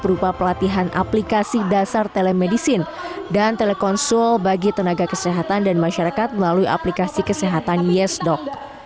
berupa pelatihan aplikasi dasar telemedicine dan telekonsul bagi tenaga kesehatan dan masyarakat melalui aplikasi kesehatan yesdoc